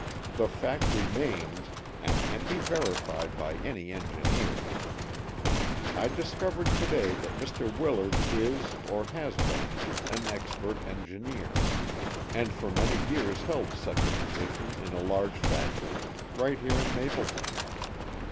The fact remains, and can be verified by any engineer. I discovered to day that Mr. Willard is or has been an expert engineer, and for many years held such a position in a large factory right here in Mapleton.